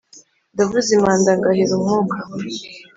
Ndavuza impanda ngahera umwuka